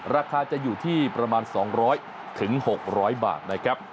ราคาจะอยู่ที่ประมาณ๒๐๐๖๐๐บาทนะครับ